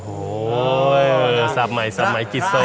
โอ้โฮสับใหม่กิจโซ